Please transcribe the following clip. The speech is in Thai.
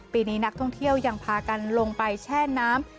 ปีนี้นักท่องเที่ยวยังพากันลงไปแช่น้ำ